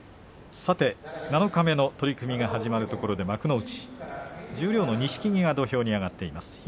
さて七日目の取組が始まるところで幕内十両の錦木が土俵に上がっています。